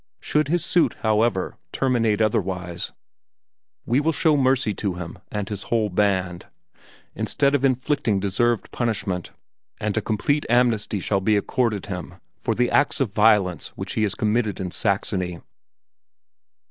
Should his suit, however, terminate otherwise, we will show mercy to him and his whole band, instead of inflicting deserved punishment, and a complete amnesty shall be accorded him for the acts of violence which he has committed in Saxony."